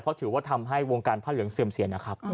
เพราะถือว่าทำให้วงการผ้าเหลืองเสื่อมเสียนะครับ